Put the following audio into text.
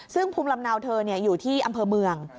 ซึ่งภูมิลำเนาเธออยู่ที่อำเภอเมือง